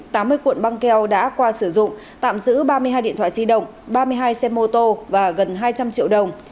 từ năm hai nghìn một mươi chín tám mươi cuộn băng keo đã qua sử dụng tạm giữ ba mươi hai điện thoại di động ba mươi hai xe mô tô và gần hai trăm linh triệu đồng